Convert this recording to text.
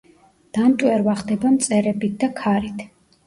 დამტვერვა ხდება მწერებით და ქარით.